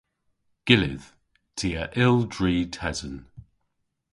Gyllydh. Ty a yll dri tesen.